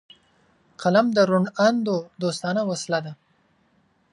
قلم د روڼ اندو دوستانه وسله ده